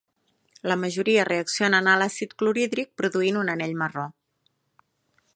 La majoria reaccionen a l'àcid clorhídric produint un anell marró.